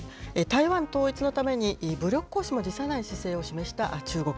台湾統一のために武力行使も辞さない姿勢を示した中国。